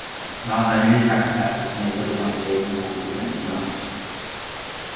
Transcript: However, an indirect effect was to make bodyline fields impossible to implement.